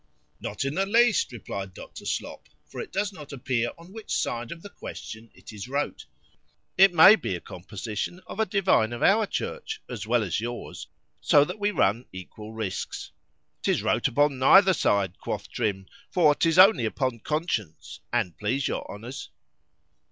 _ Not in the least, replied Dr. Slop;—for it does not appear on which side of the question it is wrote,—it may be a composition of a divine of our church, as well as yours,—so that we run equal risques.——'Tis wrote upon neither side, quoth Trim, for 'tis only upon Conscience, an' please your Honours.